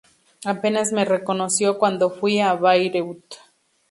Apenas me reconoció cuando fui a Bayreuth.